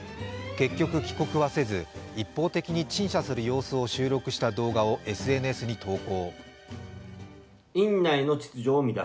結局、帰国はせず一方的に陳謝する様子を収録した動画をＳＮＳに投稿。